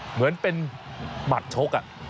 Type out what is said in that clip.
เหมือนเป็นบัดโชคอ่ะ